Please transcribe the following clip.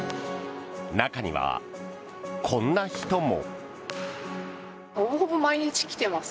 中には、こんな人も。